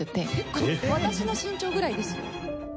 結構私の身長ぐらいですよ？